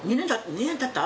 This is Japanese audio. ２年たった？